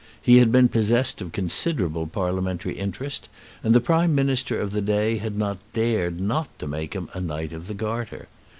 He had been possessed of considerable parliamentary interest, and the Prime Minister of the day had not dared not to make him a Knight of the Garter.